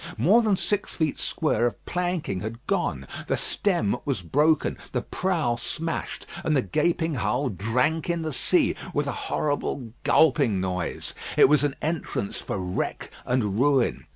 More than six feet square of planking had gone; the stem was broken, the prow smashed, and the gaping hull drank in the sea with a horrible gulping noise. It was an entrance for wreck and ruin.